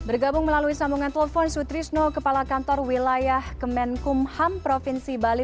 bergabung melalui sambungan telepon sutrisno kepala kantor wilayah kemenkumham provinsi bali